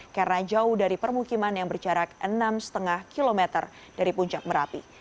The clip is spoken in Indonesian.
karena jauh dari permukiman yang berjarak enam lima km dari puncak merapi